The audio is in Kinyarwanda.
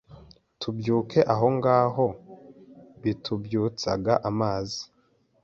tubyuke ahongaho btubyutsag amazi